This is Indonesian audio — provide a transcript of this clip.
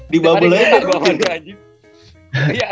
di bubble nya ya